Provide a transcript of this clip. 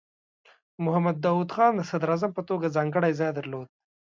محمد داؤد خان د صدراعظم په توګه ځانګړی ځای درلود.